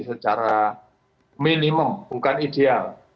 secara minimum bukan ideal